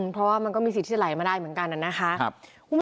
เพราะว่ามันก็มีสิทธิ์ไหลมาได้เหมือนกันนะคะ